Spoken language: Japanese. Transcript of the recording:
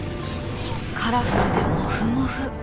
カラフルでモフモフ。